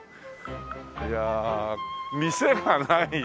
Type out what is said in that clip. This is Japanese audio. いや店がないね。